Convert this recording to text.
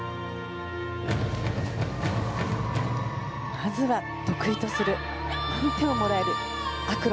まずは得意とする満点をもらえるアクロ。